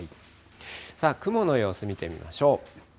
雲の様子見てみましょう。